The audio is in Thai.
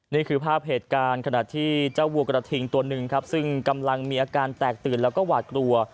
นี่คือภาพเหตุการณ์ขณะที่เจ้าวัวกระทิงตัวหนึ่งครับซึ่งกำลังมีอาการแตกตื่นแล้วก็หวาดกลัว